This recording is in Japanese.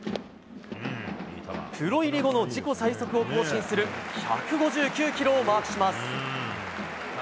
プロ入り後の自己最速を更新する１５９キロをマークします。